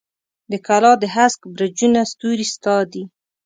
د کلا د هسک برجونو ستوري ستا دي